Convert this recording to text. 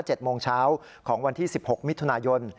เจ็ดโมงเช้าของวันที่๑๖มิถุนายน